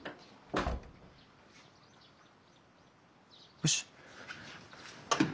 ・よし。